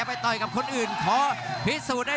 รับทราบบรรดาศักดิ์